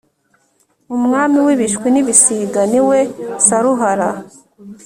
umwami w’ibishwi n’ibisiga niwe saruhara.